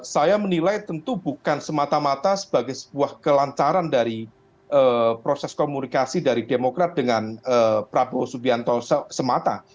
saya menilai tentu bukan semata mata sebagai sebuah kelancaran dari proses komunikasi dari demokrat dengan prabowo subianto semata